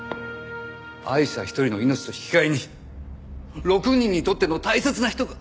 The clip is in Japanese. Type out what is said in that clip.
アイシャ１人の命と引き換えに６人にとっての大切な人が。